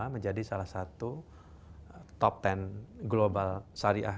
menjadi salah satu top sepuluh global syariah